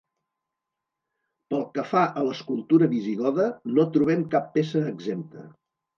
Pel que fa a l'escultura visigoda, no trobem cap peça exempta.